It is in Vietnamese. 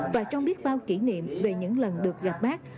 và trong biết bao kỷ niệm về những lần được gặp bác